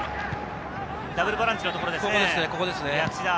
ダブルボランチのところですね。